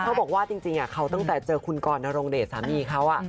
เขาบอกว่าจริงเขาตั้งแต่เจอคุณกรนรงเดชสามีเขา